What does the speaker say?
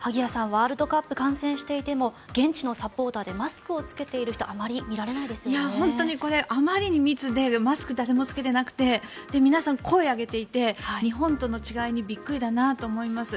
ワールドカップ観戦していても現地のサポーターでマスクを着けている人はこれ、本当にあまりに密でマスクを誰も着けていなくて皆さん声を上げていて日本との違いにびっくりだなと思います。